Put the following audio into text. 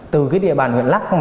từ địa bàn huyện lắc